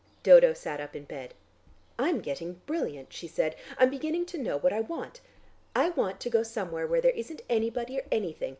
Dodo sat up in bed. "I'm getting brilliant," she said. "I am beginning to know what I want. I want to go somewhere where there isn't anybody or anything.